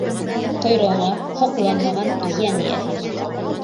Ҡойроғоңа һоҡланмаған йән-эйәһе юҡ.